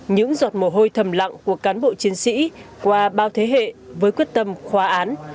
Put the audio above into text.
những giọt mồ hôi thầm lặng của cán bộ chiến sĩ qua bao thế hệ với quyết tâm khóa án